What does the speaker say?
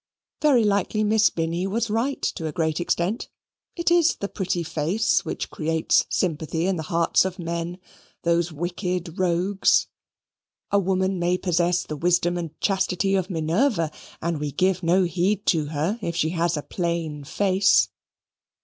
Very likely Miss Binny was right to a great extent. It IS the pretty face which creates sympathy in the hearts of men, those wicked rogues. A woman may possess the wisdom and chastity of Minerva, and we give no heed to her, if she has a plain face.